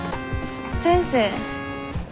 先生。